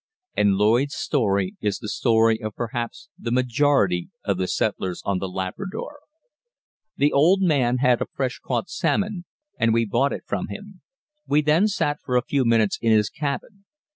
And Lloyd's story is the story of perhaps the majority of the settlers on The Labrador. The old man had a fresh caught salmon, and we bought it from him. We then sat for a few minutes in his cabin.